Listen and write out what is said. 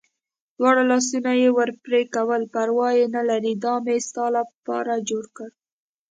دواړه لاسونه یې و پړکول، پروا نه لرې دا مې ستا لپاره جوړ کړل.